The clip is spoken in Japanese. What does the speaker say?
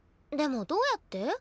でもどうやって？